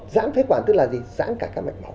giãn phế quản tức là gì giãn cả các mạch mỏng